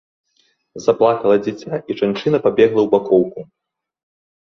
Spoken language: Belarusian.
Заплакала дзіця, і жанчына пабегла ў бакоўку.